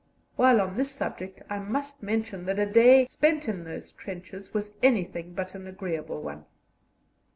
While on this subject, I must mention that a day spent in those trenches was anything but an agreeable one.